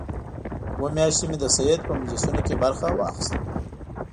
اووه میاشتې مې د سید په مجلسونو کې برخه واخیسته.